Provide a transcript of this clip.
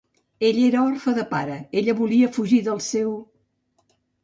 Ell era orfe de pare, ella volia fugir del seu...